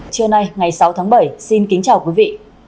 trưa nay ngày sáu tháng bảy xin kính chào quý vị